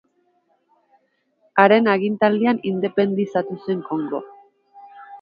Haren agintaldian independizatu zen Kongo.